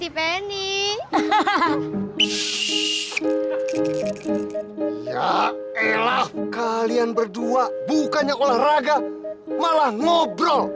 yaa iyalah kalian berdua bukannya olahraga malah ngobrol